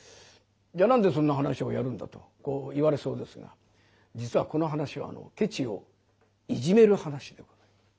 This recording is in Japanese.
じゃあ何でそんな噺をやるんだとこう言われそうですが実はこの噺はケチをいじめる噺でございます。